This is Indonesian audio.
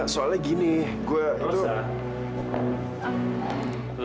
soalnya gini gue itu